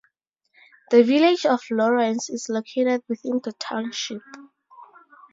The Village of Lawrence is located within the township.